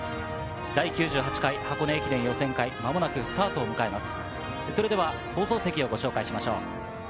第９８回箱根駅伝予選会、間もなくスタートを迎えます。